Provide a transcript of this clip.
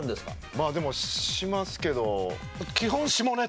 まあでもしますけど。